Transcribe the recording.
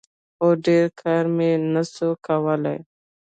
خو ډېر کار مې نسو کولاى.